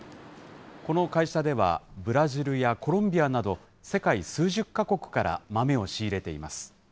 この会社では、ブラジルやコロンビアなど、世界数十か国から豆を仕入れています。